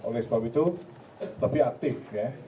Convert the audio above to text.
oleh sebab itu lebih aktif ya